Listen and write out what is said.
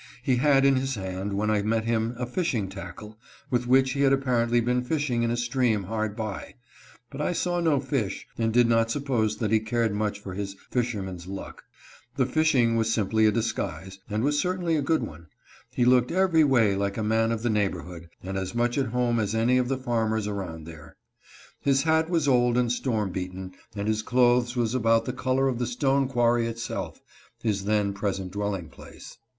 He had in his hand when I met him a fishing tackle, with which he had apparently been fishing in a stream hard by ; but I saw no fish, and did not suppose that he cared much for his " fisherman's luck." The fishing was simply a disguise, and was certainly a good one. He looked every way like a man of the neighbor hood, and as much at home as any of the farmers around AUTHOR TRIES TO DISSUADE BROWN. 389 there. His hat was old and storm beaten, and his cloth ing was about the color of the stone quarry itself — his then present dwelling place.